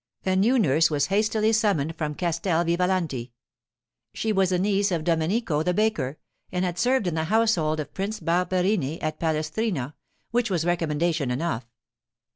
A new nurse was hastily summoned from Castel Vivalanti. She was a niece of Domenic, the baker, and had served in the household of Prince Barberini at Palestrina, which was recommendation enough.